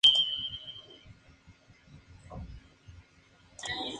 Está enterrado en el Cementerio de Montmartre.